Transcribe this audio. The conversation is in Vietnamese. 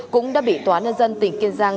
cũng đã bị tòa nhân dân tỉnh kiên giang